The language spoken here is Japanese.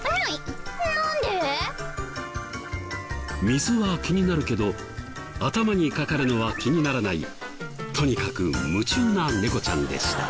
水は気になるけど頭にかかるのは気にならないとにかく夢中な猫ちゃんでした。